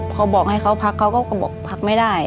เขาบอกให้เขาพักเขาก็บอกพักไม่ได้